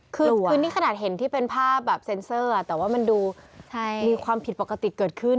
คือนี่ขนาดเห็นที่เป็นภาพแบบเซ็นเซอร์แต่ว่ามันดูมีความผิดปกติเกิดขึ้น